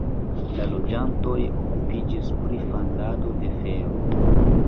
La loĝantoj okupiĝis pri fandado de fero.